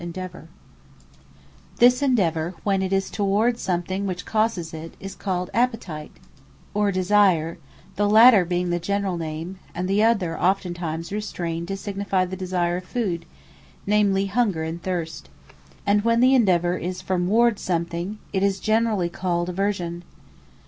Endeavour; Appetite; Desire; Hunger; Thirst; Aversion This Endeavour, when it is toward something which causes it, is called APPETITE, or DESIRE; the later, being the generall name; and the other, oftentimes restrayned to signifie the Desire of Food, namely Hunger and Thirst. And when the Endeavour is fromward something, it is generally called AVERSION.